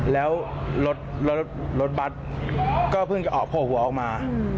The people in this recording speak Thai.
บัตรรถก็เพิ่งจะโผ่งหัวออกมา